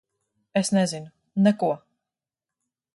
Es nezinu. Neko.